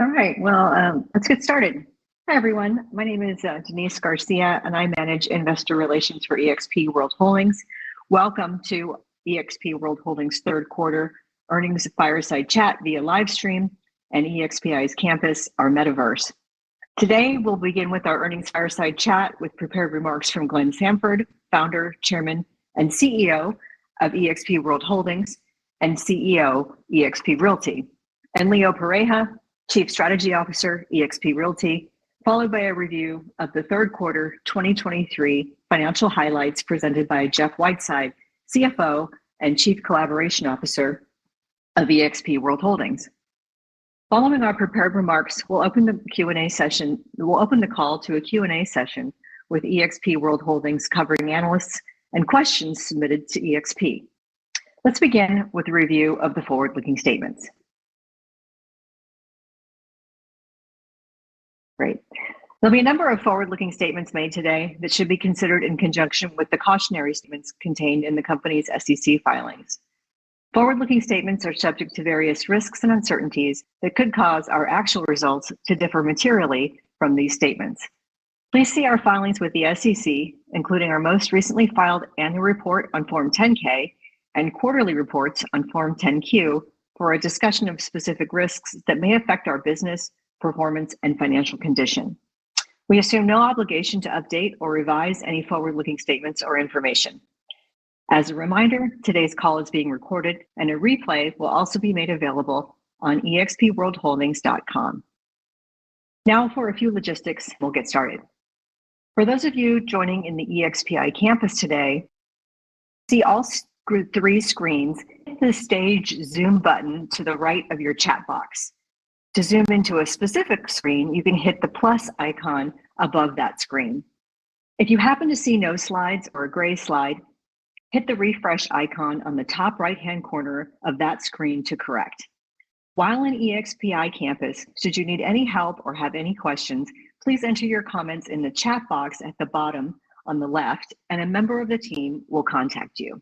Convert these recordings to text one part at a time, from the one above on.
All right, well, let's get started. Hi, everyone. My name is, Denise Garcia, and I manage investor relations for eXp World Holdings. Welcome to eXp World Holdings' third quarter earnings fireside chat via live stream and EXPI Campus, our metaverse. Today, we'll begin with our earnings fireside chat with prepared remarks from Glenn Sanford, Founder, Chairman, and CEO of eXp World Holdings and CEO, eXp Realty, and Leo Pareja, Chief Strategy Officer, eXp Realty, followed by a review of the third quarter 2023 financial highlights presented by Jeff Whiteside, CFO and Chief Collaboration Officer of eXp World Holdings. Following our prepared remarks, we'll open the Q&A session, we'll open the call to a Q&A session with eXp World Holdings covering analysts and questions submitted to eXp. Let's begin with a review of the forward-looking statements. Great. There'll be a number of forward-looking statements made today that should be considered in conjunction with the cautionary statements contained in the company's SEC filings. Forward-looking statements are subject to various risks and uncertainties that could cause our actual results to differ materially from these statements. Please see our filings with the SEC, including our most recently filed annual report on Form 10-K and quarterly reports on Form 10-Q, for a discussion of specific risks that may affect our business, performance, and financial condition. We assume no obligation to update or revise any forward-looking statements or information. As a reminder, today's call is being recorded, and a replay will also be made available on expworldholdings.com. Now, for a few logistics, we'll get started. For those of you joining in the EXPI Campus today, see all three screens, hit the Stage Zoom button to the right of your chat box. To zoom into a specific screen, you can hit the plus icon above that screen. If you happen to see no slides or a gray slide, hit the refresh icon on the top right-hand corner of that screen to correct. While in EXPI Campus, should you need any help or have any questions, please enter your comments in the chat box at the bottom on the left, and a member of the team will contact you.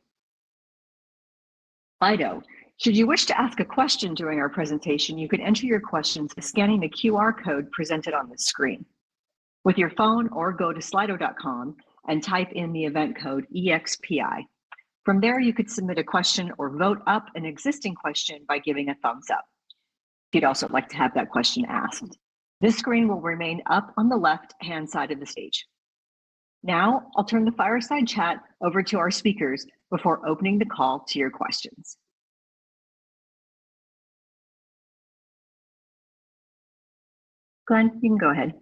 Slido. Should you wish to ask a question during our presentation, you can enter your questions by scanning the QR code presented on the screen with your phone, or go to slido.com and type in the event code EXPI. From there, you could submit a question or vote up an existing question by giving a thumbs up, if you'd also like to have that question asked. This screen will remain up on the left-hand side of the stage. Now, I'll turn the fireside chat over to our speakers before opening the call to your questions. Glenn, you can go ahead.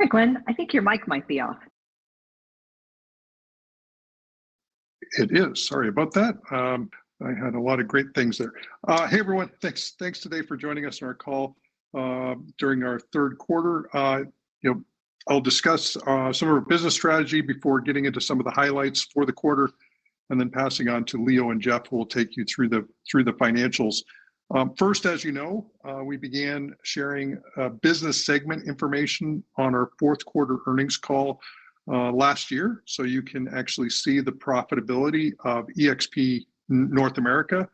Hi, Glenn. I think your mic might be off. It is. Sorry about that. I had a lot of great things there. Hey, everyone. Thanks today for joining us on our call during our third quarter. You know, I'll discuss some of our business strategy before getting into some of the highlights for the quarter, and then passing on to Leo and Jeff, who will take you through the financials. First, as you know, we began sharing business segment information on our fourth quarter earnings call last year. So you can actually see the profitability of eXp North America,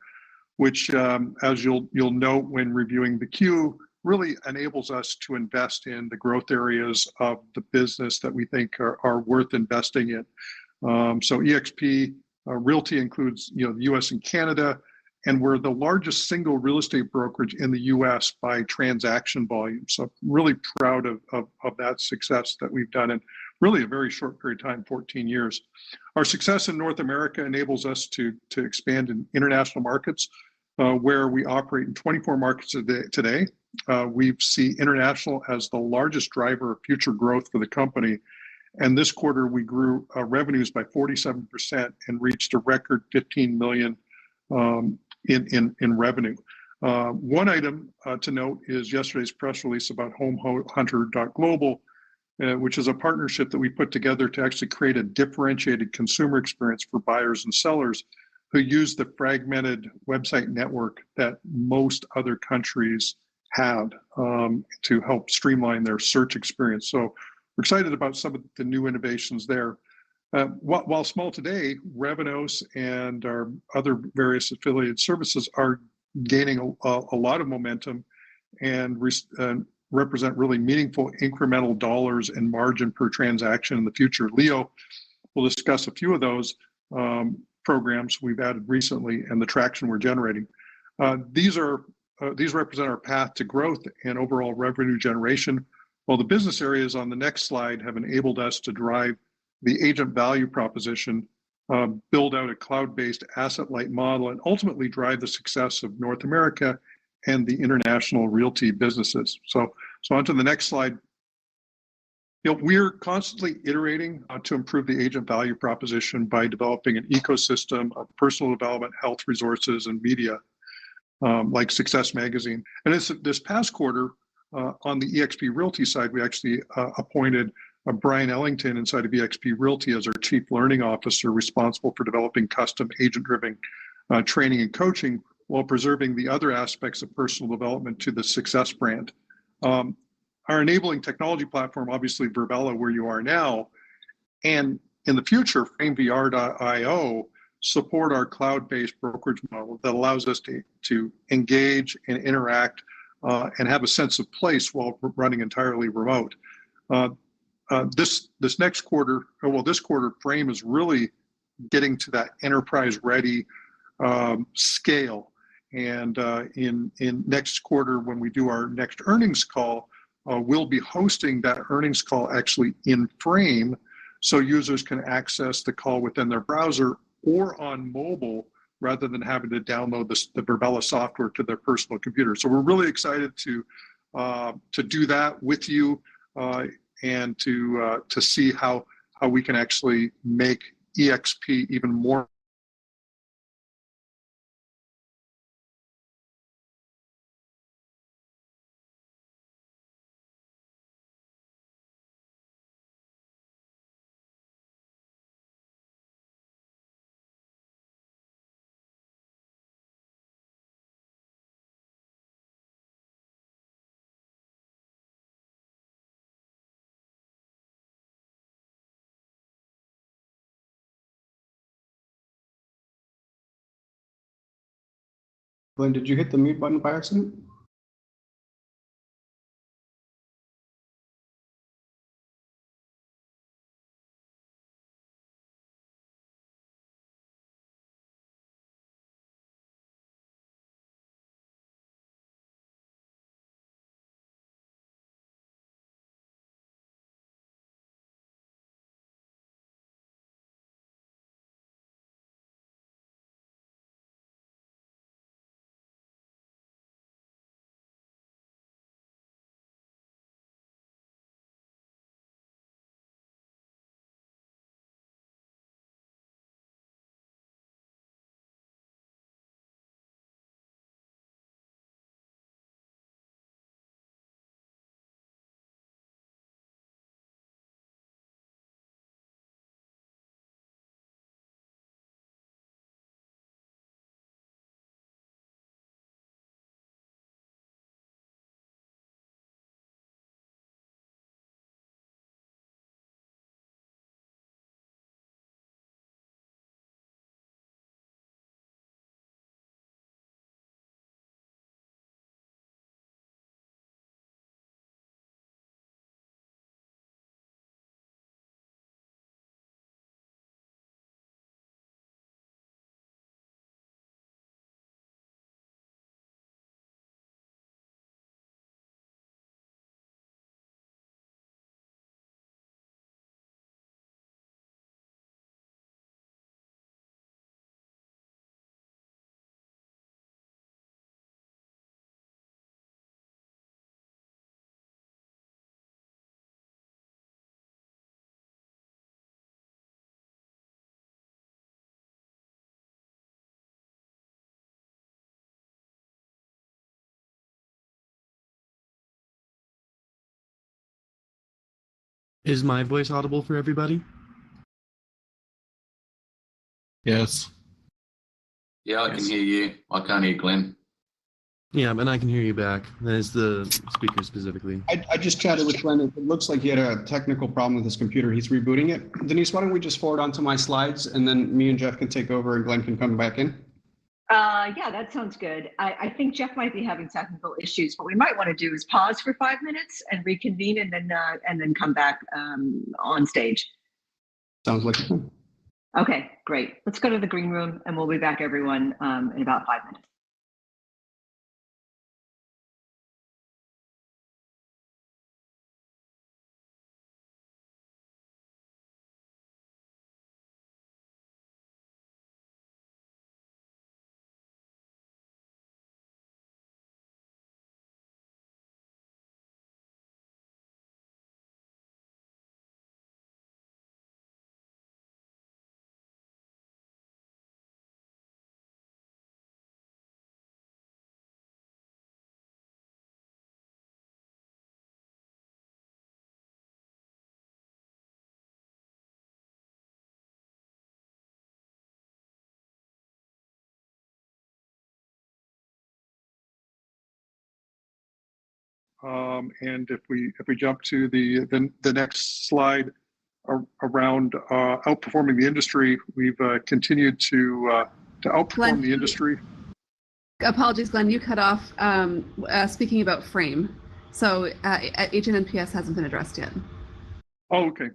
which, as you'll note when reviewing the Q, really enables us to invest in the growth areas of the business that we think are worth investing in. So eXp Realty includes, you know, the U.S. and Canada, and we're the largest single real estate brokerage in the U.S. by transaction volume. So really proud of that success that we've done in really a very short period of time, 14 years. Our success in North America enables us to expand in international markets, where we operate in 24 markets today. We see international as the largest driver of future growth for the company, and this quarter, we grew revenues by 47% and reached a record $15 million in revenue. One item to note is yesterday's press release about homehunter.global, which is a partnership that we put together to actually create a differentiated consumer experience for buyers and sellers who use the fragmented website network that most other countries have, to help streamline their search experience. So we're excited about some of the new innovations there. While small today, Revenos and our other various affiliate services are gaining a lot of momentum and represent really meaningful incremental dollars and margin per transaction in the future. Leo will discuss a few of those programs we've added recently and the traction we're generating. These represent our path to growth and overall revenue generation, while the business areas on the next slide have enabled us to drive the agent value proposition. Build out a cloud-based asset-light model, and ultimately drive the success of North America and the international realty businesses. So onto the next slide. You know, we're constantly iterating to improve the agent value proposition by developing an ecosystem of personal development, health resources, and media, like SUCCESS Magazine. And it's this past quarter, on the eXp Realty side, we actually appointed Bryon Ellington inside of eXp Realty as our Chief Learning Officer, responsible for developing custom agent-driven training and coaching, while preserving the other aspects of personal development to the SUCCESS brand. Our enabling technology platform, obviously Virbela, where you are now, and in the future, framevr.io, support our cloud-based brokerage model that allows us to engage and interact and have a sense of place while we're running entirely remote. This quarter, Frame is really getting to that enterprise-ready scale. And in next quarter, when we do our next earnings call, we'll be hosting that earnings call actually in Frame, so users can access the call within their browser or on mobile, rather than having to download the Virbela software to their personal computer. So we're really excited to do that with you, and to see how we can actually make eXp even more. Glenn, did you hit the mute button by accident? Is my voice audible for everybody? Yes. Yeah, I can hear you. I can't hear Glenn. Yeah, but I can hear you back. There's the speaker specifically. I just chatted with Glenn, and it looks like he had a technical problem with his computer. He's rebooting it. Denise, why don't we just forward on to my slides, and then me and Jeff can take over, and Glenn can come back in? Yeah, that sounds good. I think Jeff might be having technical issues. What we might wanna do is pause for five minutes and reconvene, and then, and then come back on stage. Sounds like a plan. Okay, great. Let's go to the green room, and we'll be back, everyone, in about five minutes. And if we jump to the next slide around outperforming the industry, we've to outperform the industry. Glenn, apologies, Glenn. You cut off speaking about Frame. So, NPS hasn't been addressed yet. Oh, okay.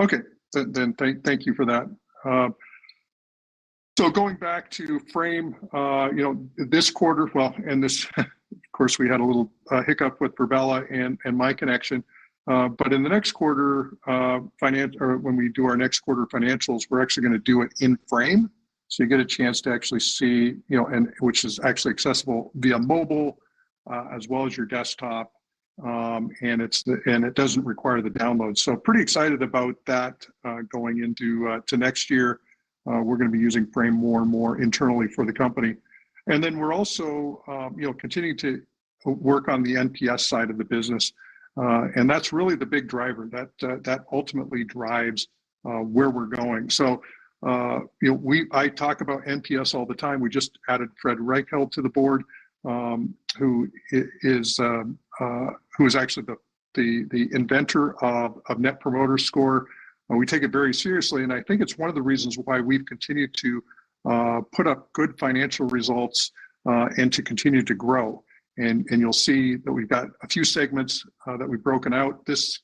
Okay. Then thank you for that. So going back to Frame, you know, this quarter, well, and this, of course, we had a little hiccup with Virbela and my connection. But in the next quarter, or when we do our next quarter financials, we're actually gonna do it in Frame. So you get a chance to actually see, you know, and which is actually accessible via mobile, as well as your desktop. And it's and it doesn't require the download. So pretty excited about that, going into to next year, we're gonna be using Frame more and more internally for the company. And then we're also, you know, continuing to work on the NPS side of the business. And that's really the big driver. That, that ultimately drives where we're going. So, you know, we. I talk about NPS all the time. We just added Fred Reichheld to the Board, who is actually the inventor of Net Promoter Score. And we take it very seriously, and I think it's one of the reasons why we've continued to put up good financial results and to continue to grow. And you'll see that we've got a few segments that we've broken out this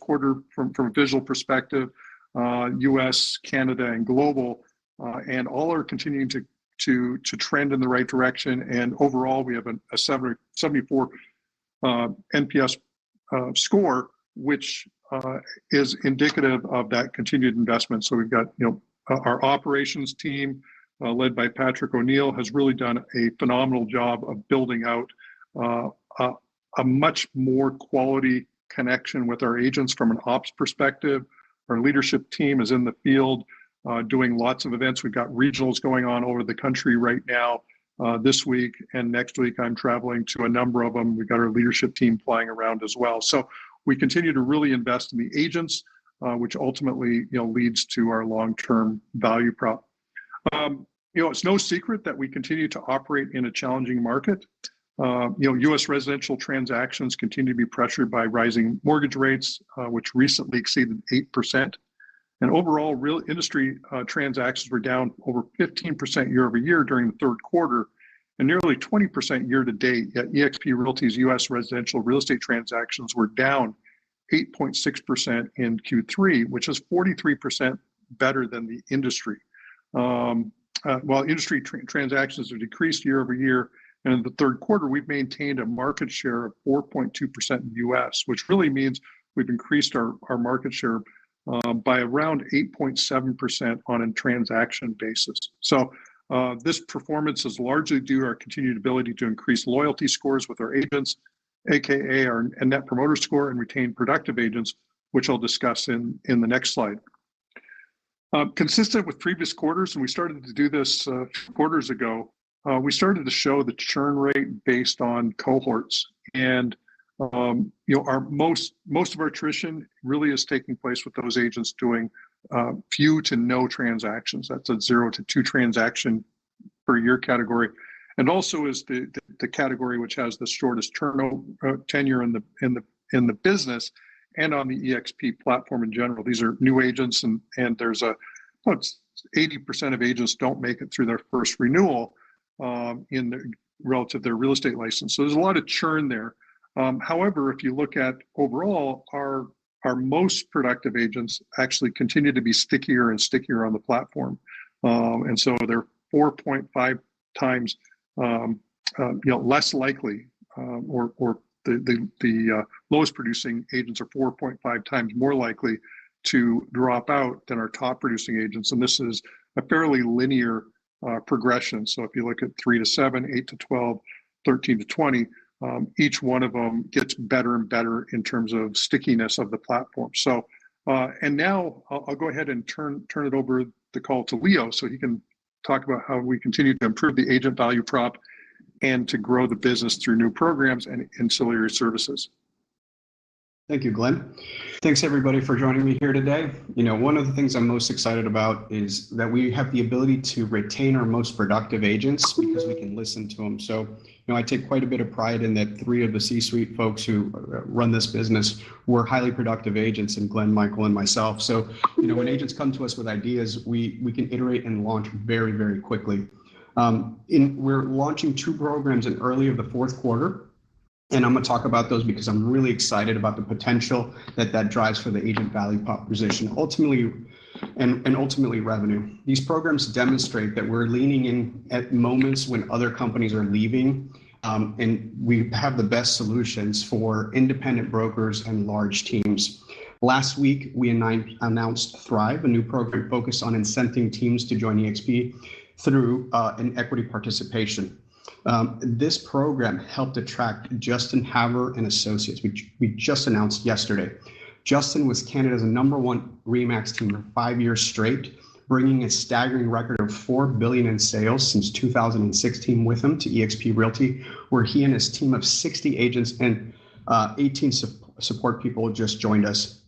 quarter from a visual perspective, U.S., Canada, and global. And all are continuing to trend in the right direction. And overall, we have a 74 NPS score, which is indicative of that continued investment. So we've got, you know, our operations team, led by Patrick O'Neill, has really done a phenomenal job of building out a much more quality connection with our agents from an ops perspective. Our leadership team is in the field, doing lots of events. We've got regionals going on all over the country right now. This week and next week, I'm traveling to a number of them. We've got our leadership team flying around as well. So we continue to really invest in the agents, which ultimately, you know, leads to our long-term value prop. You know, it's no secret that we continue to operate in a challenging market. You know, U.S. residential transactions continue to be pressured by rising mortgage rates, which recently exceeded 8%. Overall, real industry transactions were down over 15% year-over-year during the third quarter, and nearly 20% year to date. Yet eXp Realty's U.S. residential real estate transactions were down 8.6% in Q3, which is 43% better than the industry. While industry transactions are decreased year-over-year in the third quarter, we've maintained a market share of 4.2% in the U.S., which really means we've increased our market share by around 8.7% on a transaction basis. This performance is largely due to our continued ability to increase loyalty scores with our agents, AKA our Net Promoter Score, and retain productive agents, which I'll discuss in the next slide. Consistent with previous quarters, and we started to do this quarters ago, we started to show the churn rate based on cohorts. And, you know, our most of our attrition really is taking place with those agents doing few to no transactions. That's a zero to two transaction per year category, and also is the category which has the shortest term tenure in the business and on the eXp platform in general. These are new agents, and there's a, well, it's 80% of agents don't make it through their first renewal relative to their real estate license, so there's a lot of churn there. However, if you look at overall, our most productive agents actually continue to be stickier and stickier on the platform. And so they're 4.5x, you know, less likely, or the lowest producing agents are 4.5x more likely to drop out than our top producing agents, and this is a fairly linear progression. So if you look at 3-7, 8-12, 13-20, each one of them gets better and better in terms of stickiness of the platform. So, and now I'll go ahead and turn it over the call to Leo, so he can talk about how we continue to improve the agent value prop and to grow the business through new programs and ancillary services. Thank you, Glenn. Thanks, everybody, for joining me here today. You know, one of the things I'm most excited about is that we have the ability to retain our most productive agents because we can listen to them. So, you know, I take quite a bit of pride in that three of the C-suite folks who run this business were highly productive agents in Glenn, Michael, and myself. So, you know, when agents come to us with ideas, we, we can iterate and launch very, very quickly. And we're launching two programs in early of the fourth quarter, and I'm gonna talk about those because I'm really excited about the potential that that drives for the agent value proposition, ultimately, and, and ultimately revenue. These programs demonstrate that we're leaning in at moments when other companies are leaving, and we have the best solutions for independent brokers and large teams. Last week, we announced Thrive, a new program focused on incenting teams to join eXp through an equity participation. This program helped attract Justin Havre and Associates, which we just announced yesterday. Justin was Canada's number one RE/MAX team for five years straight, bringing a staggering record of $4 billion in sales since 2016 with him to eXp Realty, where he and his team of 60 agents and 18 support people just joined us.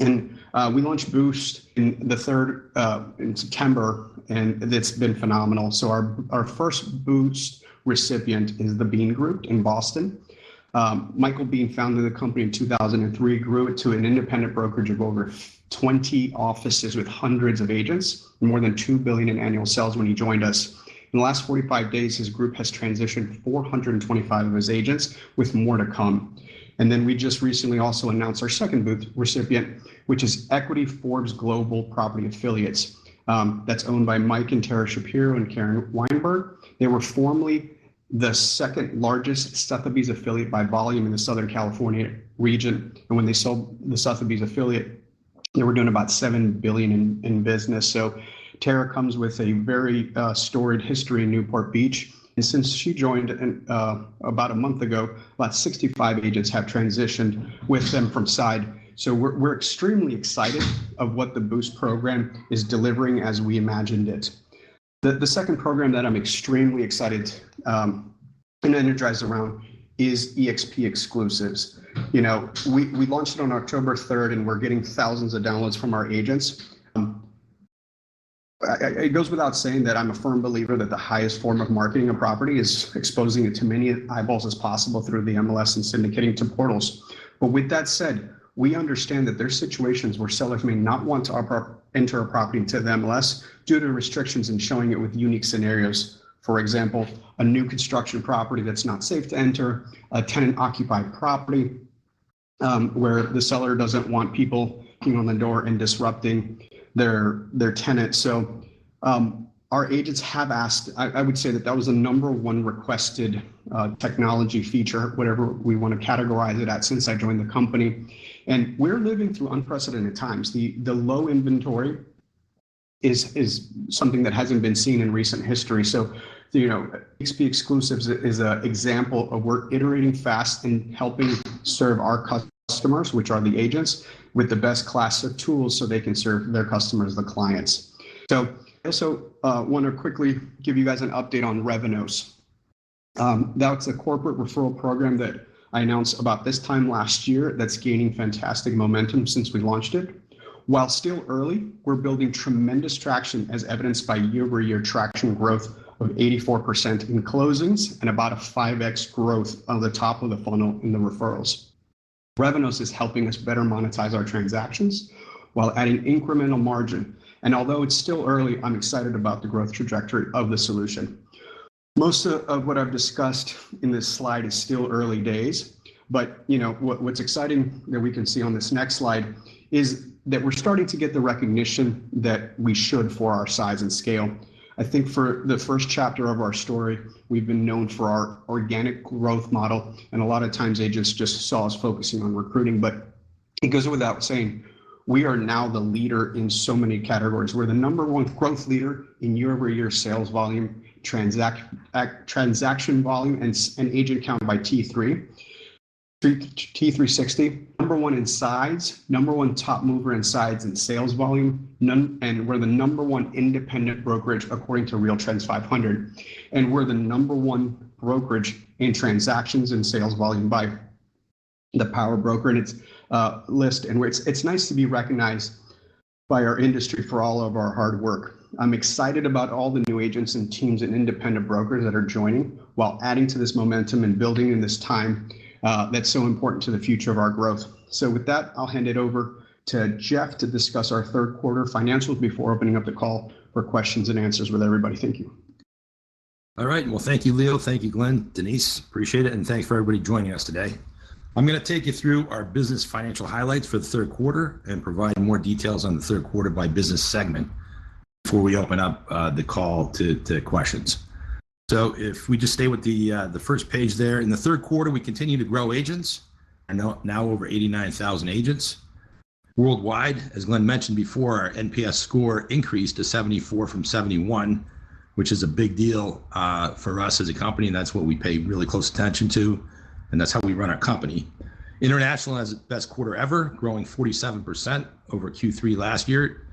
And we launched Boost in the 3rd in September, and it's been phenomenal. Our first Boost recipient is the Bean Group in Boston. Michael Bean founded the company in 2003, grew it to an independent brokerage of over 20 offices with hundreds of agents, more than $2 billion in annual sales when he joined us. In the last 45 days, his group has transitioned 425 of his agents, with more to come. And then we just recently also announced our second Boost recipient, which is EQTY Forbes Global Properties, that's owned by Mike and Tara Shapiro and Karen Weinberg. They were formerly the second largest Sotheby's affiliate by volume in the Southern California region. And when they sold the Sotheby's affiliate, they were doing about $7 billion in business. So Tara comes with a very storied history in Newport Beach, and since she joined in about a month ago, about 65 agents have transitioned with them from Side. So we're extremely excited of what the Boost program is delivering as we imagined it. The second program that I'm extremely excited and energized around is eXp Exclusives. You know, we launched it on October 3rd, and we're getting thousands of downloads from our agents. It goes without saying that I'm a firm believer that the highest form of marketing a property is exposing it to many eyeballs as possible through the MLS and syndicating to portals. But with that said, we understand that there are situations where sellers may not want to enter a property into the MLS due to restrictions in showing it with unique scenarios. For example, a new construction property that's not safe to enter, a tenant-occupied property, where the seller doesn't want people coming on the door and disrupting their tenants. So, our agents have asked, I would say that that was the number one requested technology feature, whatever we want to categorize it at, since I joined the company. And we're living through unprecedented times. The low inventory is something that hasn't been seen in recent history. So, you know, eXp Exclusives is an example of we're iterating fast and helping serve our customers, which are the agents, with the best class of tools so they can serve their customers, the clients. So, I also want to quickly give you guys an update on Revenos. That's a corporate referral program that I announced about this time last year, that's gaining fantastic momentum since we launched it. While still early, we're building tremendous traction, as evidenced by year-over-year traction growth of 84% in closings and about a 5x growth on the top of the funnel in the referrals. Revenos is helping us better monetize our transactions while adding incremental margin. Although it's still early, I'm excited about the growth trajectory of the solution. Most of what I've discussed in this slide is still early days, but you know, what's exciting that we can see on this next slide is that we're starting to get the recognition that we should for our size and scale. I think for the first chapter of our story, we've been known for our organic growth model, and a lot of times agents just saw us focusing on recruiting. It goes without saying, we are now the leader in so many categories. We're the number one growth leader in year-over-year sales volume, transaction volume, and agent count by T3, T3 Sixty. Number one in sides, number one top mover in sides and sales volume, and we're the number one independent brokerage, according to RealTrends 500, and we're the number one brokerage in transactions and sales volume by the Power Broker in its list. And it's nice to be recognized by our industry for all of our hard work. I'm excited about all the new agents and teams and independent brokers that are joining, while adding to this momentum and building in this time that's so important to the future of our growth. So with that, I'll hand it over to Jeff to discuss our third quarter financials before opening up the call for questions and answers with everybody. Thank you. All right, well, thank you, Leo. Thank you, Glenn, Denise, appreciate it, and thanks for everybody joining us today. I'm gonna take you through our business financial highlights for the third quarter and provide more details on the third quarter by business segment before we open up the call to questions. So if we just stay with the first page there. In the third quarter, we continued to grow agents and now over 89,000 agents worldwide, as Glenn mentioned before, our NPS score increased to 74 from 71, which is a big deal for us as a company, and that's what we pay really close attention to, and that's how we run our company. International has the best quarter ever, growing 47% over Q3 last year,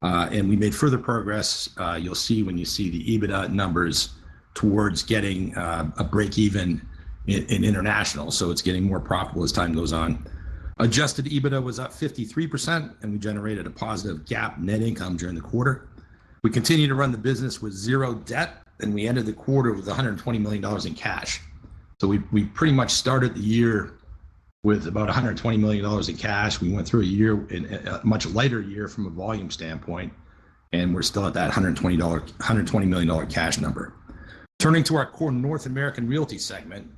and we made further progress. You'll see when you see the EBITDA numbers towards getting a break even in international, so it's getting more profitable as time goes on. Adjusted EBITDA was up 53%, and we generated a positive GAAP net income during the quarter. We continued to run the business with zero debt, and we ended the quarter with $120 million in cash. So we pretty much started the year with about $120 million in cash. We went through a year, and a much lighter year from a volume standpoint, and we're still at that $120 million cash number. Turning to our core North American Realty segment,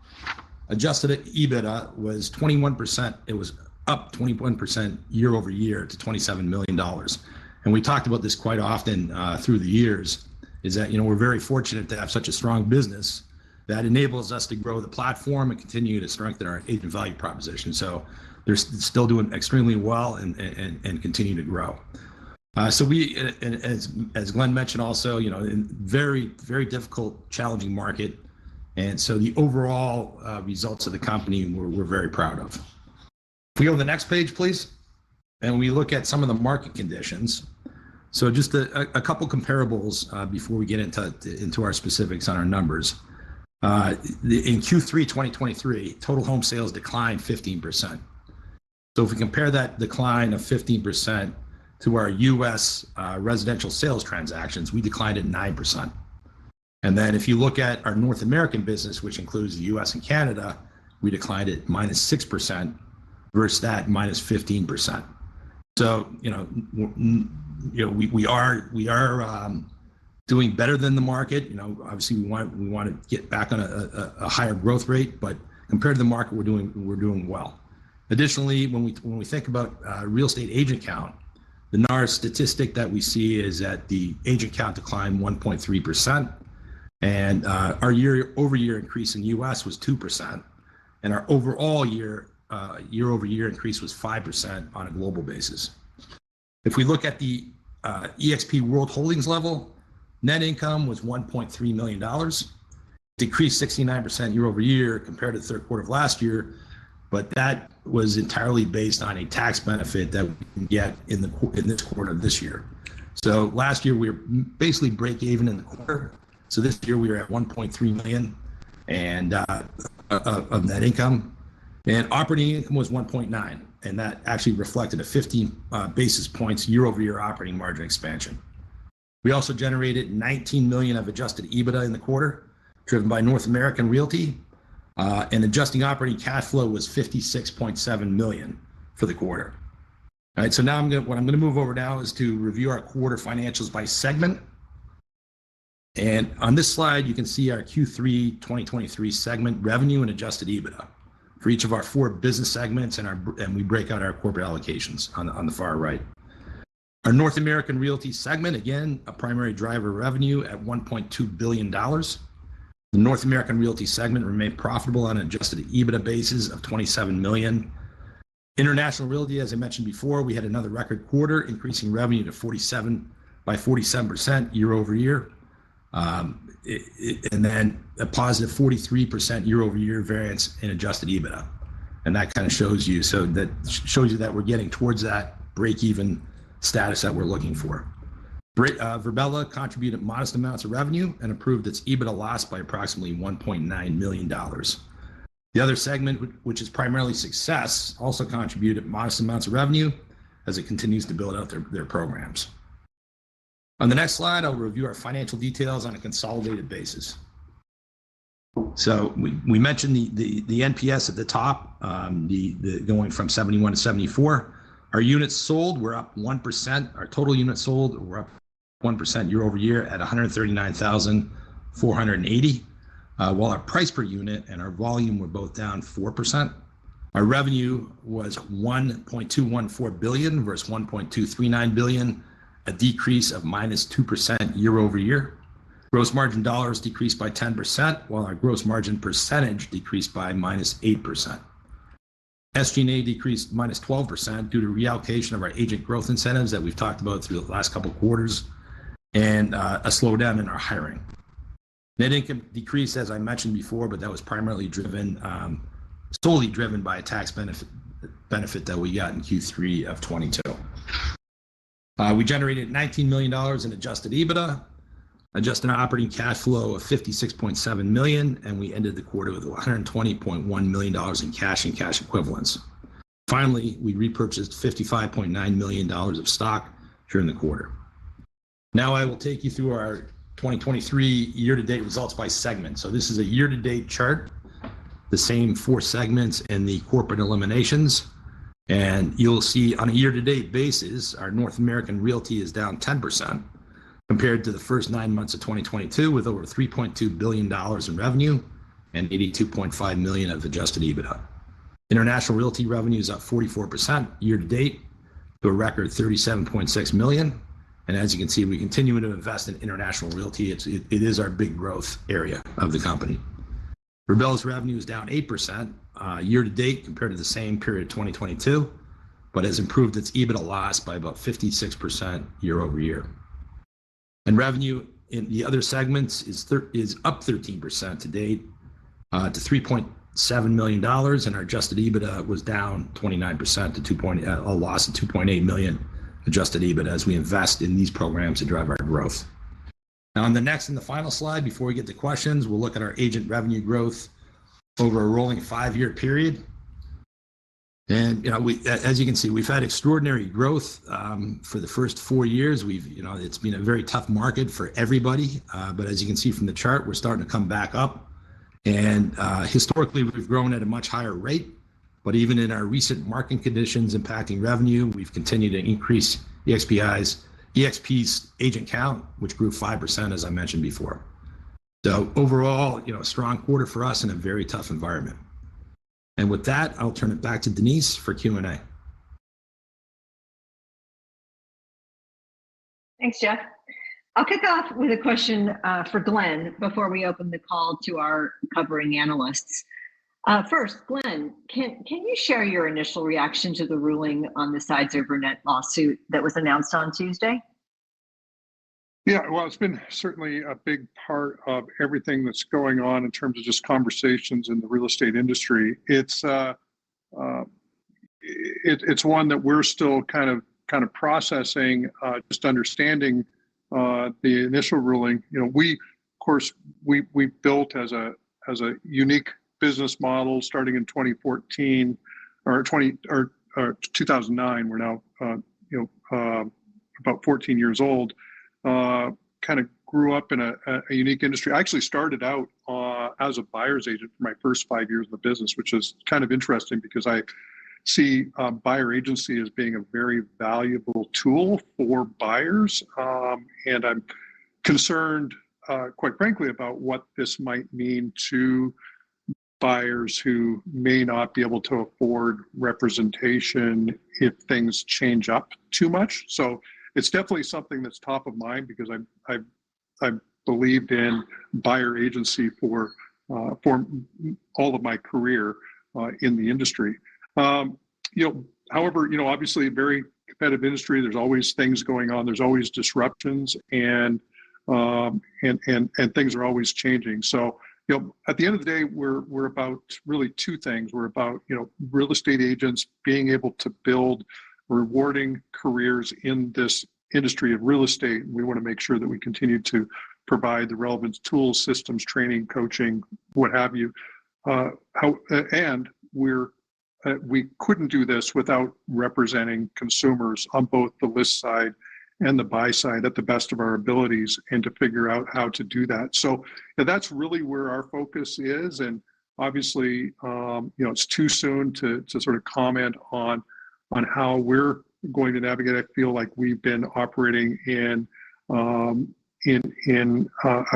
adjusted EBITDA was 21%. It was up 21% year-over-year to $27 million. And we talked about this quite often through the years, is that, you know, we're very fortunate to have such a strong business that enables us to grow the platform and continue to strengthen our agent value proposition. So they're still doing extremely well and continue to grow. And as Glenn mentioned, also, you know, in a very difficult, challenging market, and so the overall results of the company we're very proud of. If we go to the next page, please, and we look at some of the market conditions. So just a couple comparables before we get into our specifics on our numbers. In Q3 2023, total home sales declined 15%. So if we compare that decline of 15% to our U.S., residential sales transactions, we declined at 9%. And then, if you look at our North American business, which includes the U.S. and Canada, we declined at -6% versus that -15%. So, you know, you know, we are doing better than the market. You know, obviously, we want, we wanna get back on a higher growth rate, but compared to the market, we're doing well. Additionally, when we think about real estate agent count, the NAR statistic that we see is that the agent count declined 1.3%, and our year-over-year increase in U.S. was 2%, and our overall year-over-year increase was 5% on a global basis. If we look at the eXp World Holdings level, net income was $1.3 million, decreased 69% year-over-year compared to the third quarter of last year, but that was entirely based on a tax benefit that we can get in the quarter this year. So last year, we were basically breaking even in the quarter. So this year, we are at $1.3 million and of net income, and operating income was $1.9 million, and that actually reflected a 50 basis points year-over-year operating margin expansion. We also generated $19 million of adjusted EBITDA in the quarter, driven by North American Realty, and adjusted operating cash flow was $56.7 million for the quarter. All right, so now what I'm gonna move over now is to review our quarter financials by segment. On this slide, you can see our Q3 2023 segment revenue and adjusted EBITDA for each of our four business segments, and we break out our corporate allocations on the far right. Our North American Realty segment, again, a primary driver revenue at $1.2 billion. The North American Realty segment remained profitable on an adjusted EBITDA basis of $27 million. International Realty, as I mentioned before, we had another record quarter, increasing revenue by 47% year-over-year. And then a positive 43% year-over-year variance in adjusted EBITDA, and that kind of shows you, so that shows you that we're getting towards that break-even status that we're looking for. Virbela contributed modest amounts of revenue and improved its EBITDA loss by approximately $1.9 million. The other segment, which is primarily SUCCESS, also contributed modest amounts of revenue as it continues to build out their programs. On the next slide, I'll review our financial details on a consolidated basis. So we mentioned the NPS at the top, going from 71 to 74. Our units sold were up 1%. Our total units sold were up 1% year-over-year at 139,480. While our price per unit and our volume were both down 4%, our revenue was $1.214 billion versus $1.239 billion, a decrease of -2% year-over-year. Gross margin dollars decreased by 10%, while our gross margin percentage decreased by -8%. SG&A decreased -12% due to reallocation of our agent growth incentives that we've talked about through the last couple of quarters, and a slowdown in our hiring. Net income decreased, as I mentioned before, but that was primarily driven, totally driven by a tax benefit, benefit that we got in Q3 of 2022. We generated $19 million in adjusted EBITDA, adjusted operating cash flow of $56.7 million, and we ended the quarter with $120.1 million in cash and cash equivalents. Finally, we repurchased $55.9 million of stock during the quarter. Now, I will take you through our 2023 year-to-date results by segment. So this is a year-to-date chart, the same four segments and the corporate eliminations, and you'll see on a year-to-date basis, our North American Realty is down 10% compared to the first nine months of 2022, with over $3.2 billion in revenue and $82.5 million of adjusted EBITDA. International Realty revenue is up 44% year to date, to a record $37.6 million, and as you can see, we continue to invest in International Realty. It is our big growth area of the company. Virbela's revenue is down 8% year to date compared to the same period, 2022, but has improved its EBITDA loss by about 56% year over year. Revenue in the other segments is up 13% to date to $3.7 million, and our adjusted EBITDA was down 29% to a loss of $2.8 million adjusted EBITDA as we invest in these programs to drive our growth. Now, on the next and the final slide, before we get to questions, we'll look at our agent revenue growth over a rolling five-year period. You know, we, as you can see, we've had extraordinary growth for the first four years. We've. You know, it's been a very tough market for everybody, but as you can see from the chart, we're starting to come back up. And historically, we've grown at a much higher rate, but even in our recent market conditions impacting revenue, we've continued to increase eXp's agent count, which grew 5%, as I mentioned before. So overall, you know, a strong quarter for us in a very tough environment. And with that, I'll turn it back to Denise for Q&A. Thanks, Jeff. I'll kick off with a question for Glenn before we open the call to our covering analysts. First, Glenn, can you share your initial reaction to the ruling on the Sitzer-Burnett lawsuit that was announced on Tuesday? Yeah, well, it's been certainly a big part of everything that's going on in terms of just conversations in the real estate industry. It's one that we're still kind of processing, just understanding the initial ruling. You know, we, of course, built as a unique business model starting in 2014, or 20, or 2009. We're now, you know. About 14 years old, kind of grew up in a unique industry. I actually started out as a buyer's agent for my first five years in the business, which is kind of interesting, because I see buyer agency as being a very valuable tool for buyers. And I'm concerned, quite frankly, about what this might mean to buyers who may not be able to afford representation if things change up too much. So it's definitely something that's top of mind because I've believed in buyer agency for all of my career in the industry. You know, however, you know, obviously a very competitive industry, there's always things going on, there's always disruptions, and things are always changing. So, you know, at the end of the day, we're about really two things. We're about, you know, real estate agents being able to build rewarding careers in this industry of real estate. We want to make sure that we continue to provide the relevant tools, systems, training, coaching, what have you, and we're, we couldn't do this without representing consumers on both the list side and the buy side at the best of our abilities and to figure out how to do that. So that's really where our focus is. And obviously, you know, it's too soon to sort of comment on how we're going to navigate. I feel like we've been operating in a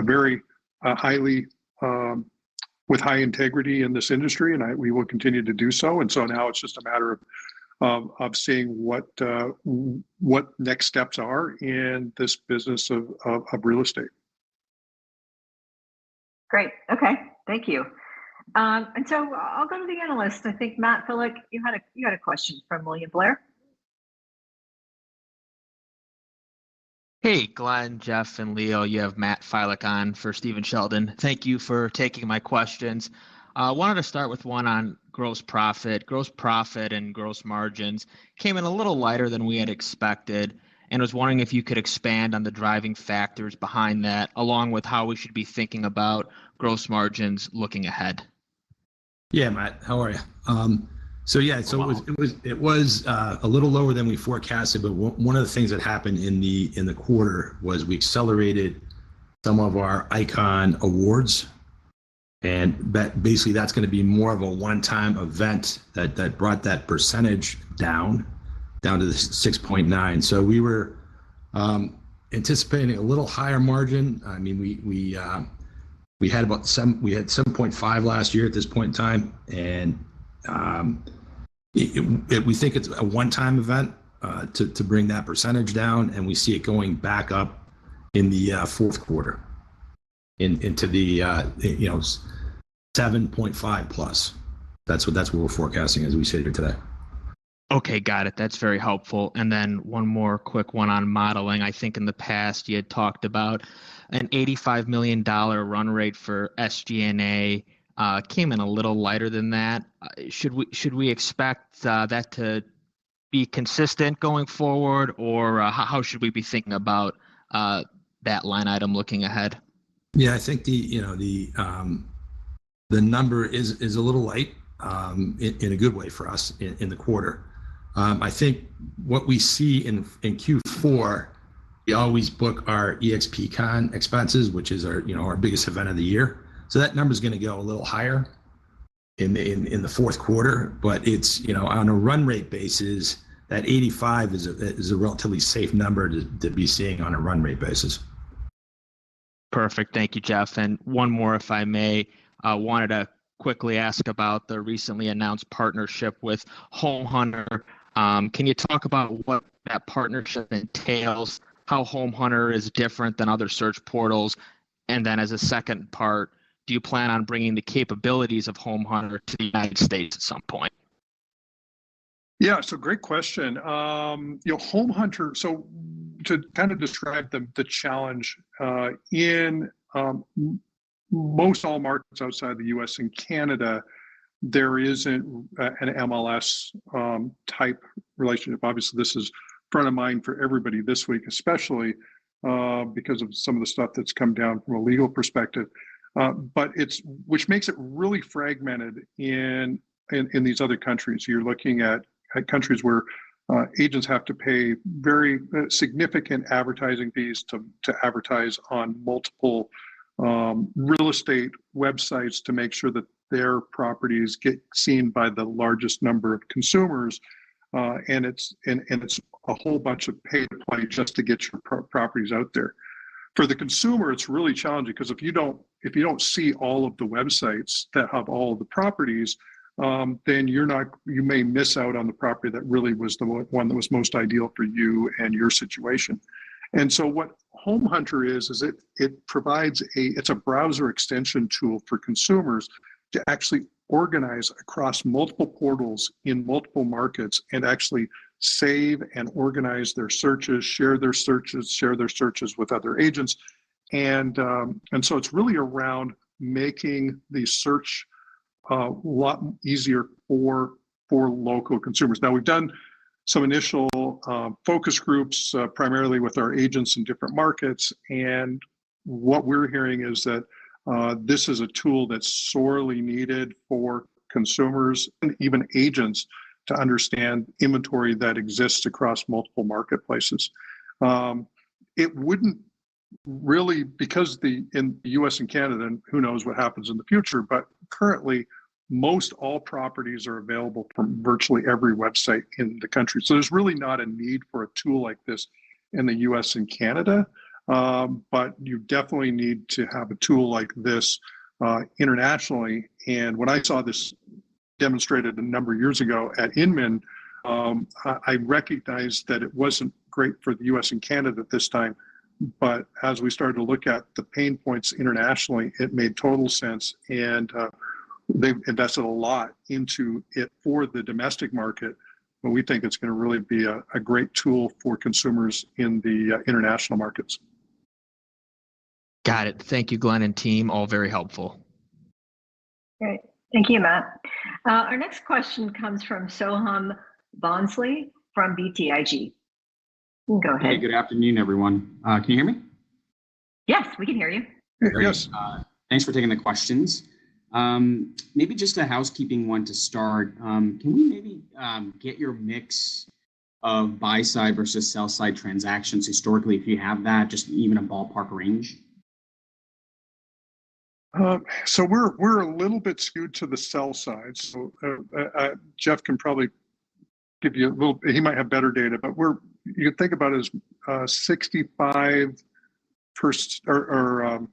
very highly with high integrity in this industry, and we will continue to do so. So now it's just a matter of seeing what next steps are in this business of real estate. Great. Okay. Thank you. And so I'll go to the analyst. I think, Matt Filek, you had a, you had a question from William Blair. Hey, Glenn, Jeff, and Leo, you have Matt Filek on for Stephen Sheldon. Thank you for taking my questions. Wanted to start with one on gross profit. Gross profit and gross margins came in a little lighter than we had expected and was wondering if you could expand on the driving factors behind that, along with how we should be thinking about gross margins looking ahead. Yeah, Matt, how are you? So yeah, it was. Hello. It was a little lower than we forecasted, but one of the things that happened in the quarter was we accelerated some of our ICON awards, and that, basically, that's going to be more of a one-time event that brought that percentage down to the 6.9%. So we were anticipating a little higher margin. I mean, we had about 7%, we had 7.5% last year at this point in time, and it, we think it's a one-time event to bring that percentage down, and we see it going back up in the fourth quarter, into the, you know, 7.5%+. That's what we're forecasting as we sit here today. Okay, got it. That's very helpful. And then one more quick one on modeling. I think in the past you had talked about an $85 million run rate for SG&A. It came in a little lighter than that. Should we expect that to be consistent going forward, or how should we be thinking about that line item looking ahead? Yeah, I think the, you know, the number is, is a little light, in a good way for us in the quarter. I think what we see in Q4, we always book our EXPCON expenses, which is our, you know, our biggest event of the year. So that number is gonna go a little higher in the fourth quarter. But it's, you know, on a run rate basis, that $85 million is a, is a relatively safe number to be seeing on a run rate basis. Perfect. Thank you, Jeff. And one more, if I may. I wanted to quickly ask about the recently announced partnership with HomeHunter. Can you talk about what that partnership entails, how HomeHunter is different than other search portals? And then, as a second part, do you plan on bringing the capabilities of HomeHunter to the United States at some point? Yeah, so great question. You know, HomeHunter. So to kind of describe the challenge in most all markets outside the U.S. and Canada, there isn't an MLS type relationship. Obviously, this is front of mind for everybody this week, especially because of some of the stuff that's come down from a legal perspective, but which makes it really fragmented in these other countries. You're looking at countries where agents have to pay very significant advertising fees to advertise on multiple real estate websites to make sure that their properties get seen by the largest number of consumers. And it's a whole bunch of pay to play just to get your properties out there. For the consumer, it's really challenging, because if you don't see all of the websites that have all of the properties, then you may miss out on the property that really was the one that was most ideal for you and your situation. And so what HomeHunter is, it provides a, it's a browser extension tool for consumers to actually organize across multiple portals in multiple markets and actually save and organize their searches, share their searches with other agents. And so it's really around making the search a lot easier for local consumers. Now, we've done some initial focus groups, primarily with our agents in different markets, and what we're hearing is that this is a tool that's sorely needed for consumers and even agents to understand inventory that exists across multiple marketplaces. It wouldn't really, because in the U.S. and Canada, and who knows what happens in the future, but currently, most all properties are available from virtually every website in the country. So there's really not a need for a tool like this in the U.S. and Canada, but you definitely need to have a tool like this internationally. When I saw this demonstrated a number of years ago at Inman, I recognized that it wasn't great for the U.S. and Canada at this time, but as we started to look at the pain points internationally, it made total sense, and they've invested a lot into it for the domestic market, but we think it's gonna really be a great tool for consumers in the international markets. Got it. Thank you, Glenn and team. All very helpful. Great. Thank you, Matt. Our next question comes from Soham Bhonsle, from BTIG. Go ahead. Hey, good afternoon, everyone. Can you hear me? Yes, we can hear you. Yes. Thanks for taking the questions. Maybe just a housekeeping one to start. Can we maybe get your mix of buy-side versus sell-side transactions historically, if you have that, just even a ballpark range? So we're a little bit skewed to the sell side. So, Jeff can probably give you a little. He might have better data, but we're, you can think about it as, 65%, or,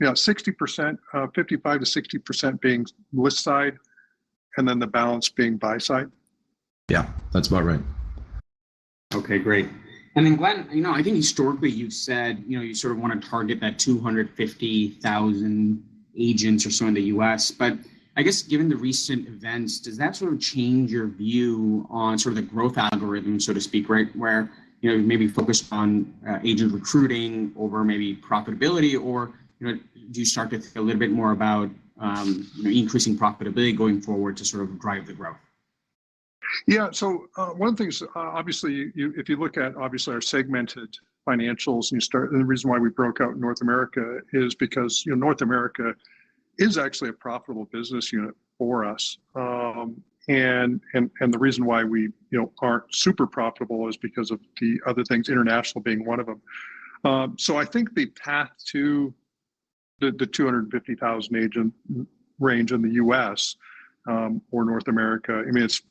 or, yeah, 60%, 55%-60% being list side, and then the balance being buy side. Yeah, that's about right. Okay, great. And then, Glenn, you know, I think historically, you've said, you know, you sort of wanna target that 250,000 agents or so in the U.S., but I guess given the recent events, does that sort of change your view on sort of the growth algorithm, so to speak, right? Where, you know, you may be focused on, agent recruiting over maybe profitability, or, you know, do you start to think a little bit more about, increasing profitability going forward to sort of drive the growth? Yeah. So, one of the things, obviously, if you look at obviously our segmented financials, and the reason why we broke out North America is because, you know, North America is actually a profitable business unit for us. And the reason why we, you know, aren't super profitable is because of the other things, international being one of them. So I think the path to the 250,000 agent range in the U.S., or North America, I mean, it's.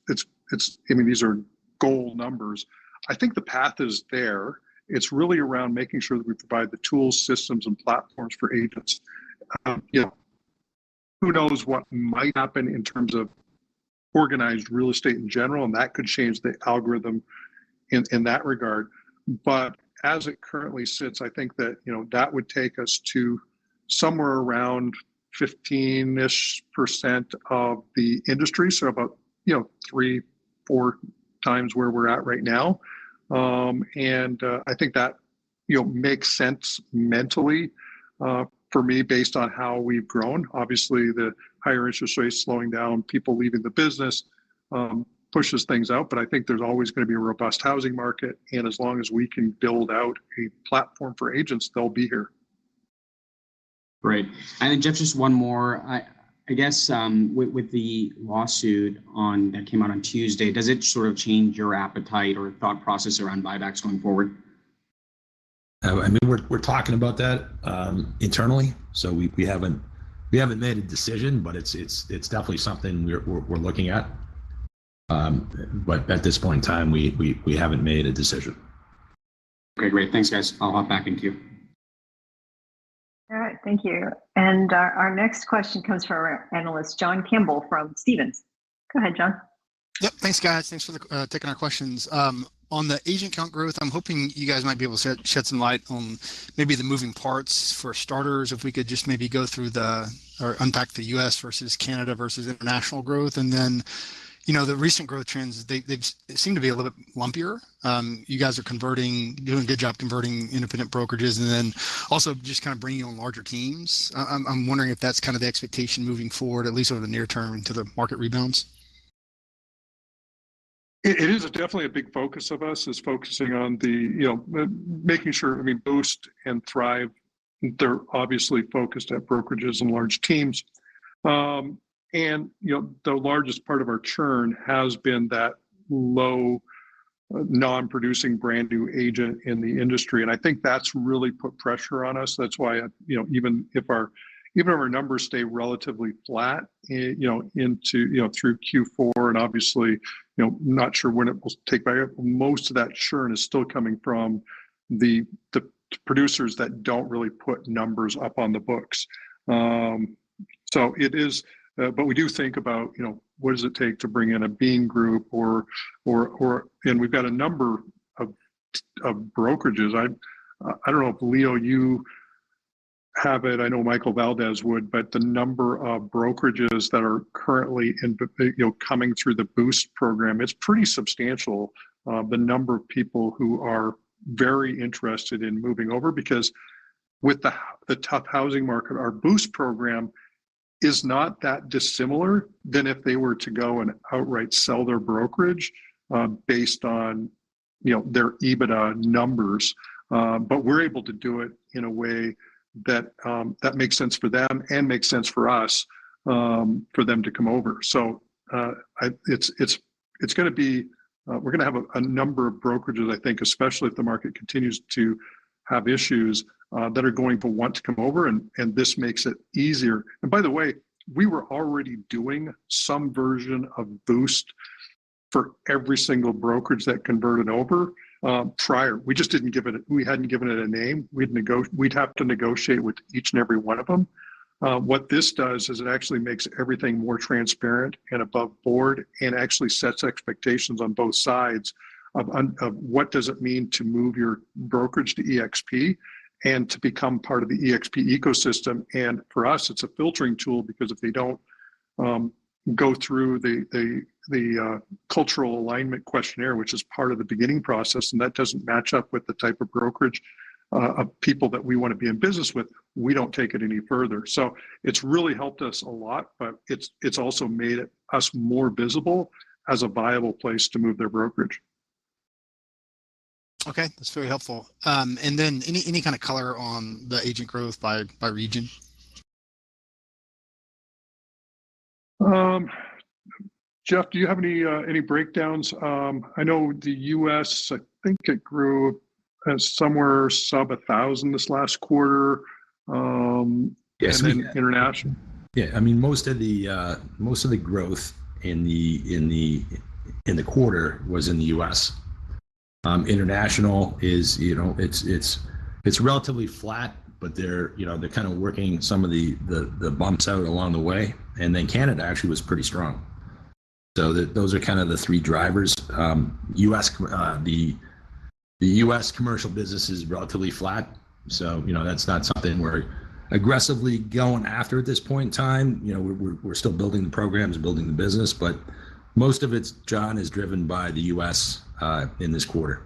I mean, these are goal numbers. I think the path is there. It's really around making sure that we provide the tools, systems, and platforms for agents. You know, who knows what might happen in terms of organized real estate in general, and that could change the algorithm in that regard. But as it currently sits, I think that, you know, that would take us to somewhere around 15%-ish of the industry, so about, you know, 3x-4x where we're at right now. I think that, you know, makes sense mentally, for me, based on how we've grown. Obviously, the higher interest rates slowing down, people leaving the business, pushes things out, but I think there's always gonna be a robust housing market, and as long as we can build out a platform for agents, they'll be here. Great. And then, Jeff, just one more. I guess, with the lawsuit that came out on Tuesday, does it sort of change your appetite or thought process around buybacks going forward? I mean, we're talking about that internally, so we haven't made a decision, but it's definitely something we're looking at. But at this point in time, we haven't made a decision. Great. Great. Thanks, guys. I'll hop back in queue. All right. Thank you. And, our next question comes from our analyst, John Campbell, from Stephens. Go ahead, John. Yep. Thanks, guys. Thanks for taking our questions. On the agent count growth, I'm hoping you guys might be able to shed some light on maybe the moving parts. For starters, if we could just maybe go through or unpack the U.S. versus Canada versus international growth, and then, you know, the recent growth trends, they seem to be a little bit lumpier. You guys are converting, doing a good job converting independent brokerages, and then also just kind of bringing on larger teams. I'm wondering if that's kind of the expectation moving forward, at least over the near term, until the market rebounds. It is definitely a big focus of us, is focusing on the, you know, making sure, I mean, Boost and Thrive, they're obviously focused at brokerages and large teams. And, you know, the largest part of our churn has been that low, non-producing, brand-new agent in the industry, and I think that's really put pressure on us. That's why, you know, even if our numbers stay relatively flat, you know, into, you know, through Q4, and obviously, you know, not sure when it will take back up, most of that churn is still coming from the producers that don't really put numbers up on the books. So it is. But we do think about, you know, what does it take to bring in a Bean Group or, or, or, and we've got a number of brokerages. I don't know if, Leo, you have it, I know Michael Valdes would, but the number of brokerages that are currently in, you know, coming through the Boost program, it's pretty substantial, the number of people who are very interested in moving over because with the tough housing market, our Boost program is not that dissimilar than if they were to go and outright sell their brokerage, based on, you know, their EBITDA numbers. But we're able to do it in a way that makes sense for them and makes sense for us, for them to come over. So, it's gonna be, we're gonna have a number of brokerages, I think, especially if the market continues to have issues, that are going to want to come over, and this makes it easier. And by the way, we were already doing some version of Boost for every single brokerage that converted over, prior. We just didn't give it a name. We'd have to negotiate with each and every one of them. What this does is it actually makes everything more transparent and above board, and actually sets expectations on both sides of what does it mean to move your brokerage to eXp and to become part of the eXp ecosystem. For us, it's a filtering tool, because if they don't go through the cultural alignment questionnaire, which is part of the beginning process, and that doesn't match up with the type of brokerage of people that we want to be in business with, we don't take it any further. So it's really helped us a lot, but it's also made us more visible as a viable place to move their brokerage. Okay, that's very helpful. And then, any, any kind of color on the agent growth by, by region? Jeff, do you have any, any breakdowns? I know the U.S., I think it grew somewhere sub-1,000 this last quarter. Yes. And then international. Yeah, I mean, most of the growth in the quarter was in the U.S. International is, you know, it's relatively flat, but they're, you know, they're kind of working some of the bumps out along the way. And then Canada actually was pretty strong. So those are kind of the three drivers. U.S., the U.S. commercial business is relatively flat, so, you know, that's not something we're aggressively going after at this point in time. You know, we're still building the programs, building the business. But most of it, John, is driven by the U.S. in this quarter.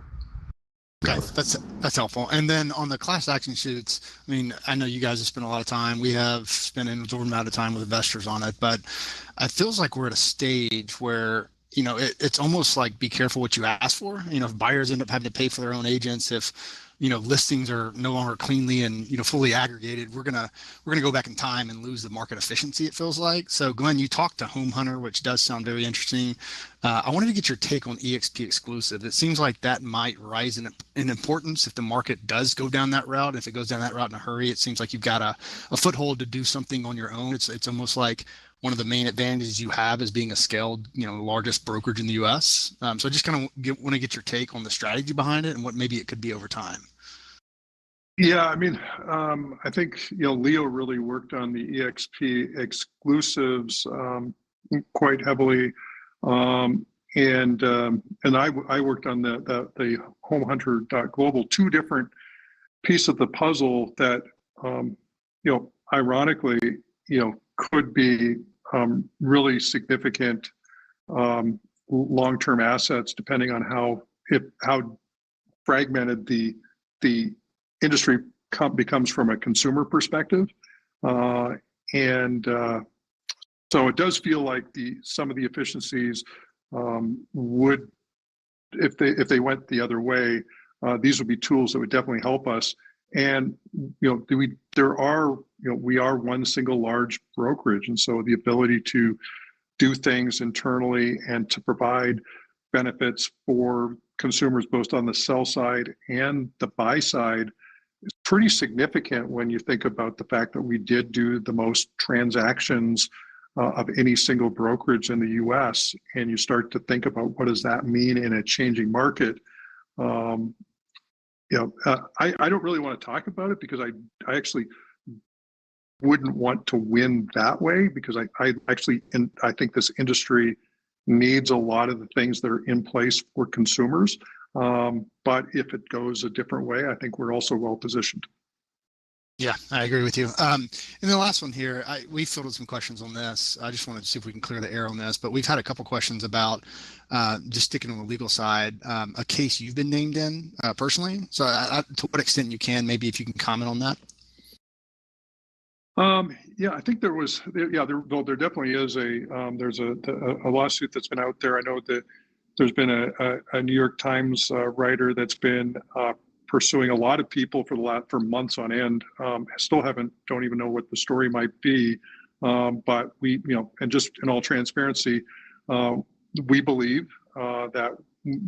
Okay, that's, that's helpful. And then, on the class action suits, I mean, I know you guys have spent a lot of time, we have spent an exorbitant amount of time with investors on it, but it feels like we're at a stage where, you know, it, it's almost like, be careful what you ask for. You know, if buyers end up having to pay for their own agents, if, you know, listings are no longer cleanly and, you know, fully aggregated, we're gonna, we're gonna go back in time and lose the market efficiency, it feels like. So, Glenn, you talked to HomeHunter, which does sound very interesting. I wanted to get your take on eXp Exclusives. It seems like that might rise in, in importance if the market does go down that route. If it goes down that route in a hurry, it seems like you've got a foothold to do something on your own. It's almost like one of the main advantages you have is being a scaled, you know, largest brokerage in the U.S. So just kind of want to get your take on the strategy behind it and what maybe it could be over time. Yeah, I mean, I think, you know, Leo really worked on the eXp Exclusives quite heavily. And I worked on the homehunter.global. Two different piece of the puzzle that, you know, ironically, you know, could be really significant long-term assets, depending on how fragmented the industry becomes from a consumer perspective. And so it does feel like the some of the efficiencies would. If they, if they went the other way, these would be tools that would definitely help us. And, you know, we are one single large brokerage, and so the ability to do things internally and to provide benefits for consumers, both on the sell side and the buy side, is pretty significant when you think about the fact that we did do the most transactions of any single brokerage in the U.S., and you start to think about what does that mean in a changing market? You know, I don't really want to talk about it, because I actually wouldn't want to win that way, because I actually, and I think this industry needs a lot of the things that are in place for consumers. But if it goes a different way, I think we're also well positioned. Yeah, I agree with you. And the last one here, we've fielded some questions on this. I just wanted to see if we can clear the air on this, but we've had a couple questions about just sticking on the legal side, a case you've been named in, personally. So, to what extent you can, maybe if you can comment on that. Yeah, I think there was. Well, there definitely is a lawsuit that's been out there. I know that there's been a New York Times writer that's been pursuing a lot of people for months on end. Still haven't. Don't even know what the story might be. But we, you know, and just in all transparency, we believe that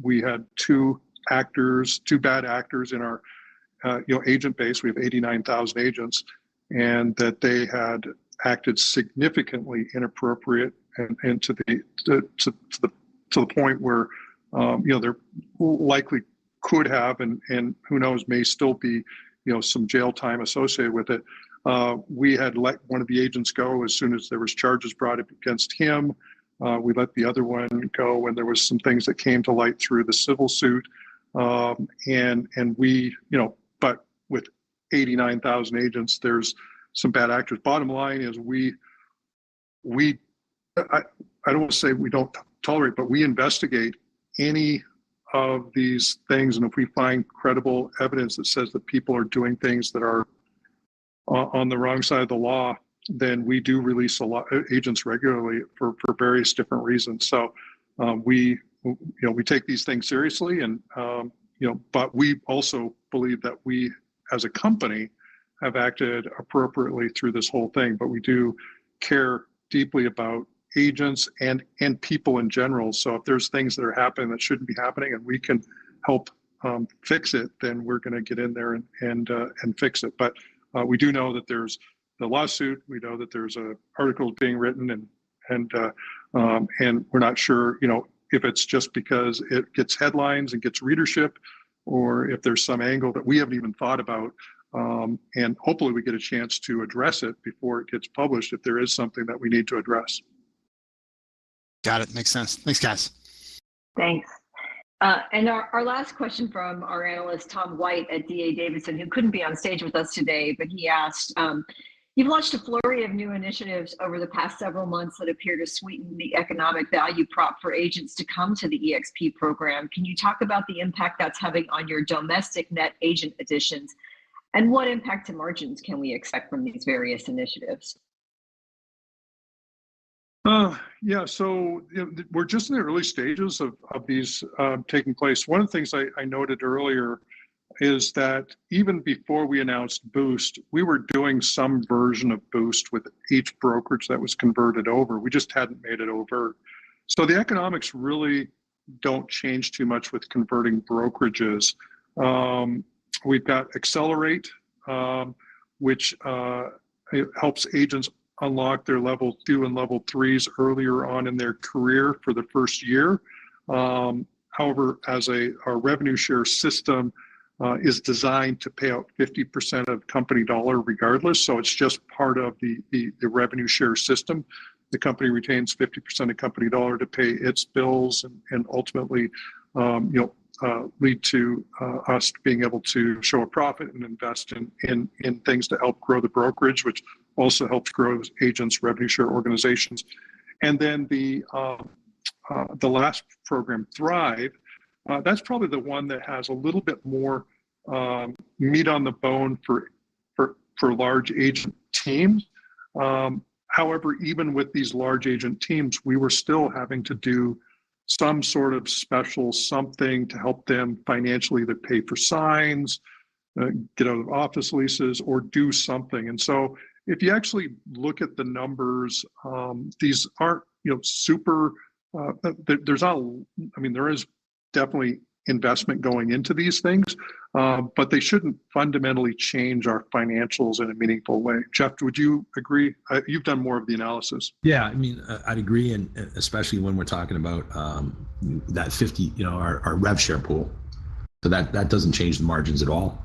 we had two actors, two bad actors in our agent base, we have 89,000 agents, and that they had acted significantly inappropriate and to the point where, you know, there likely could have, and who knows, may still be, you know, some jail time associated with it. We had let one of the agents go as soon as there was charges brought up against him. We let the other one go, and there was some things that came to light through the civil suit. But with 89,000 agents, there's some bad actors. Bottom line is, we don't want to say we don't tolerate, but we investigate any of these things, and if we find credible evidence that says that people are doing things that are on the wrong side of the law, then we do release a lot of agents regularly for various different reasons. So, we you know, we take these things seriously and, you know, but we also believe that we, as a company, have acted appropriately through this whole thing. But we do care deeply about agents and people in general. So if there's things that are happening that shouldn't be happening and we can help fix it, then we're gonna get in there and fix it. But we do know that there's the lawsuit. We know that there's articles being written, and we're not sure, you know, if it's just because it gets headlines and gets readership, or if there's some angle that we haven't even thought about. And hopefully, we get a chance to address it before it gets published, if there is something that we need to address. Got it. Makes sense. Thanks, guys. Thanks. Our last question from our analyst, Tom White at D.A. Davidson, who couldn't be on stage with us today, but he asked: "You've launched a flurry of new initiatives over the past several months that appear to sweeten the economic value prop for agents to come to the eXp program. Can you talk about the impact that's having on your domestic net agent additions, and what impact to margins can we expect from these various initiatives? Yeah. So, you know, we're just in the early stages of these taking place. One of the things I noted earlier is that even before we announced Boost, we were doing some version of Boost with each brokerage that was converted over. We just hadn't made it overt. So the economics really don't change too much with converting brokerages. We've got Accelerate, which it helps agents unlock their level two and level threes earlier on in their career for the first year. However, as a, our revenue share system is designed to pay out 50% of company dollar regardless, so it's just part of the revenue share system. The company retains 50% of company dollar to pay its bills and ultimately, you know, lead to us being able to show a profit and invest in things to help grow the brokerage, which also helps grow agents' revenue share organizations. And then the last program, Thrive, that's probably the one that has a little bit more meat on the bone for large agent teams. However, even with these large agent teams, we were still having to do some sort of special something to help them financially, to pay for signs, get out of office leases, or do something. And so if you actually look at the numbers, these aren't, you know, super. I mean, there is definitely investment going into these things, but they shouldn't fundamentally change our financials in a meaningful way. Jeff, would you agree? You've done more of the analysis. Yeah. I mean, I'd agree, and, and especially when we're talking about, that 50%, you know, our, our rev share pool. So that, that doesn't change the margins at all.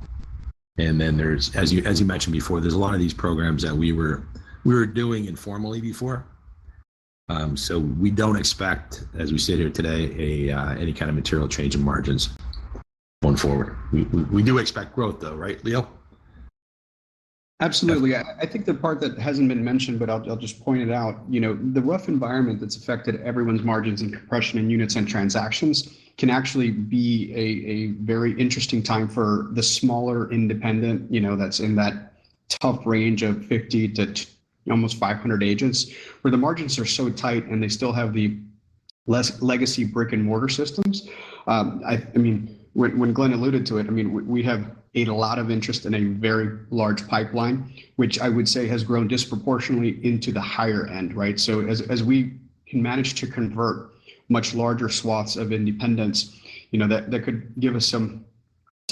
And then there's, as you, as you mentioned before, there's a lot of these programs that we were, we were doing informally before. So we don't expect, as we sit here today, a, any kind of material change in margins going forward. We, we, we do expect growth, though, right, Leo? Absolutely. Yeah. I think the part that hasn't been mentioned, but I'll just point it out, you know, the rough environment that's affected everyone's margins and compression in units and transactions can actually be a very interesting time for the smaller, independent, you know, that's in that tough range of 50% to almost 500 agents, where the margins are so tight and they still have the legacy brick-and-mortar systems. I mean, when Glenn alluded to it, I mean, we have a lot of interest and a very large pipeline, which I would say has grown disproportionately into the higher end, right? So as we can manage to convert much larger swaths of independents, you know, that could give us some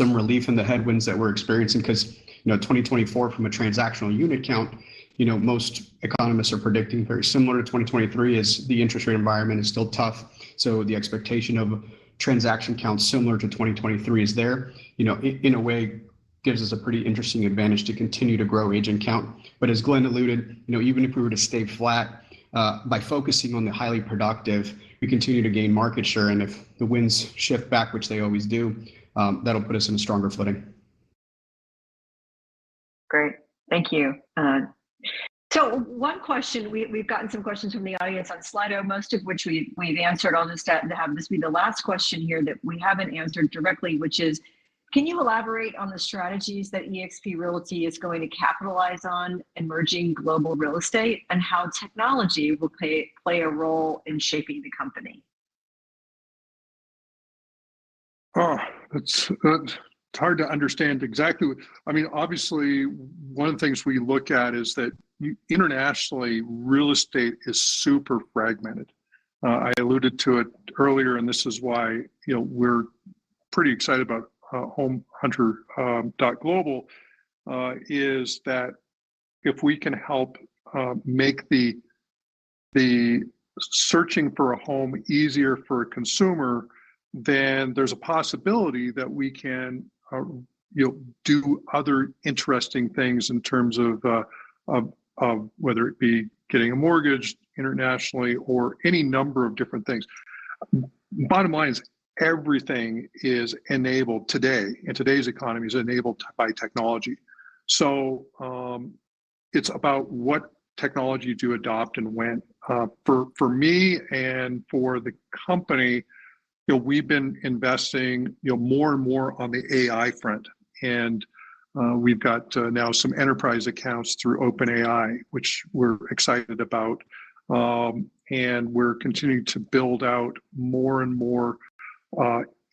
relief in the headwinds that we're experiencing. 'Cause, you know, 2024, from a transactional unit count, you know, most economists are predicting very similar to 2023, as the interest rate environment is still tough. So the expectation of transaction count similar to 2023 is there. You know, in a way, gives us a pretty interesting advantage to continue to grow agent count. But as Glenn alluded, you know, even if we were to stay flat, by focusing on the highly productive, we continue to gain market share. And if the winds shift back, which they always do, that'll put us in a stronger footing. Great. Thank you. So one question, we, we've gotten some questions from the audience on Slido, most of which we, we've answered on this chat. And this will be the last question here that we haven't answered directly, which is: "Can you elaborate on the strategies that eXp Realty is going to capitalize on in merging global real estate, and how technology will play a role in shaping the company? Oh, it's hard to understand exactly what. I mean, obviously, one of the things we look at is that internationally, real estate is super fragmented. I alluded to it earlier, and this is why, you know, we're pretty excited about homehunter.global, is that if we can help make the searching for a home easier for a consumer, then there's a possibility that we can, you know, do other interesting things in terms of whether it be getting a mortgage internationally or any number of different things. Bottom line is everything is enabled today, in today's economy, is enabled by technology. So, it's about what technology to adopt and when. For me and for the company, you know, we've been investing, you know, more and more on the AI front, and we've got now some enterprise accounts through OpenAI, which we're excited about. And we're continuing to build out more and more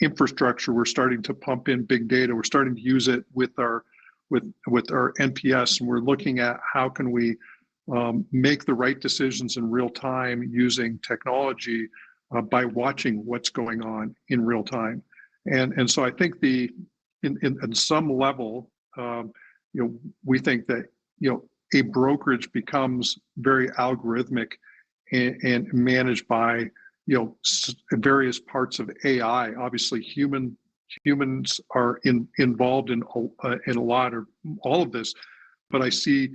infrastructure. We're starting to pump in big data. We're starting to use it with our NPS, and we're looking at how can we make the right decisions in real time using technology by watching what's going on in real time. And so I think in some level, you know, we think that, you know, a brokerage becomes very algorithmic and managed by, you know, various parts of AI. Obviously, human, humans are involved in a lot of all of this, but I see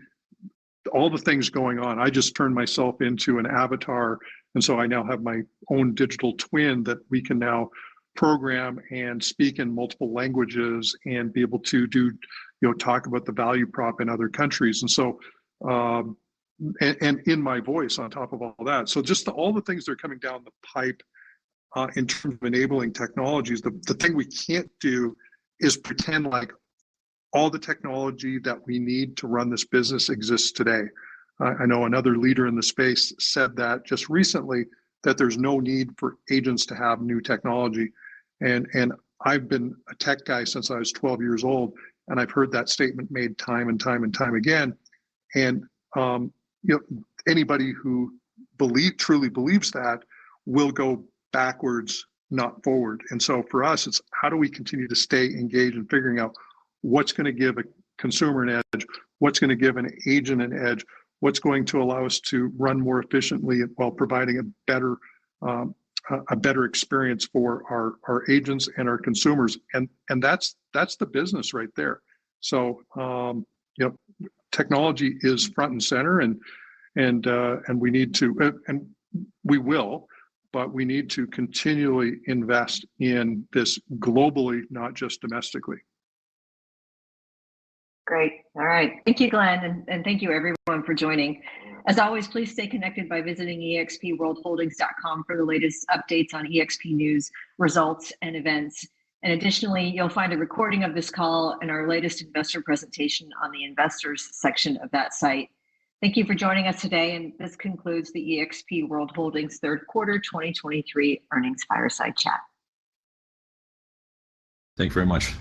all the things going on. I just turned myself into an avatar, and so I now have my own digital twin that we can now program and speak in multiple languages and be able to do, you know, talk about the value prop in other countries, and so, and in my voice, on top of all that. So just all the things that are coming down the pipe in terms of enabling technologies, the thing we can't do is pretend like all the technology that we need to run this business exists today. I know another leader in the space said that just recently, that there's no need for agents to have new technology. I've been a tech guy since I was 12 years old, and I've heard that statement made time and time and time again. You know, anybody who truly believes that will go backwards, not forward. So for us, it's how do we continue to stay engaged in figuring out what's gonna give a consumer an edge, what's gonna give an agent an edge, what's going to allow us to run more efficiently while providing a better experience for our agents and our consumers? And that's the business right there. You know, technology is front and center and we will, but we need to continually invest in this globally, not just domestically. Great. All right. Thank you, Glenn, and thank you everyone for joining. As always, please stay connected by visiting expworldholdings.com for the latest updates on eXp news, results, and events. Additionally, you'll find a recording of this call and our latest investor presentation on the Investors section of that site. Thank you for joining us today, and this concludes the eXp World Holdings third quarter 2023 earnings fireside chat. Thank you very much.